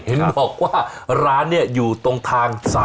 เห็นบอกว่าร้านเนี่ยอยู่ตรงทาง๓